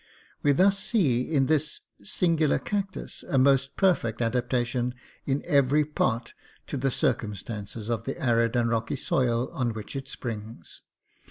We thus see in this singular cactus a most perfect adaptation in every part to the cir cumstances of the arid and rocky soil on which it springs.